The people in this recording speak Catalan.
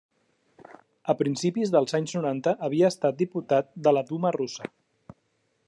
A principis dels anys noranta havia estat diputat de la Duma russa.